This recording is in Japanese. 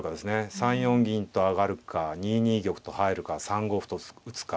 ３四銀と上がるか２二玉と入るか３五歩と打つか。